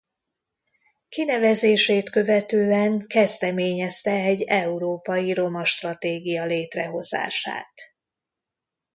Kinevezését követően kezdeményezte egy Európai Roma Stratégia létrehozását.